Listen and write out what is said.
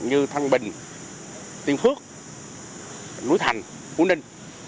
như thăng bình tiên phước núi thành u ninh